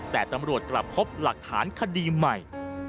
แต่ตำรวจกลับพบหลักฐานคดีใหม่